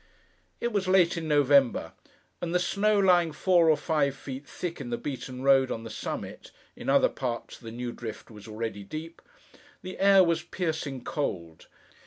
It was late in November; and the snow lying four or five feet thick in the beaten road on the summit (in other parts the new drift was already deep), the air was piercing cold.